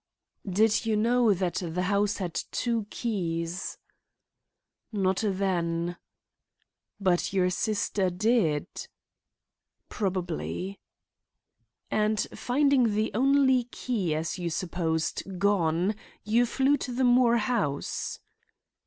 "Did you know that the house had two keys?" "Not then." "But your sister did?" "Probably." "And finding the only key, as you supposed, gone, you flew to the Moore house?"